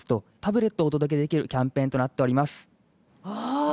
ああ！